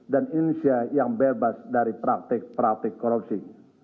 dan indonesia yang bebas dari praktik praktik korupsi